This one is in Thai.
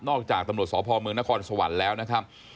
จากตำรวจสพเมืองนครสวรรค์แล้วนะครับ